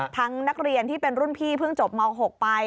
นักเรียนที่เป็นรุ่นพี่เพิ่งจบม๖ไป